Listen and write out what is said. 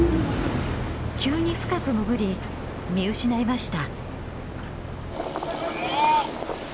急に深く潜り見失いました。